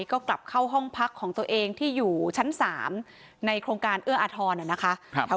ก็กลับเข้าห้องพักของตัวเองที่อยู่ชั้น๓ในโครงการเอื้ออาทรนะคะ